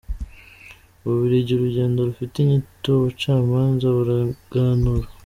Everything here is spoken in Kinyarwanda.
U Bubiligi Urugendo rufite inyito "Ubucamanza burenganura"